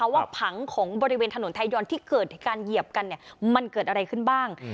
ผังของบริเวณถนนไทยยอนที่เกิดการเหยียบกันมันเกิดอะไรขึ้นบ้าง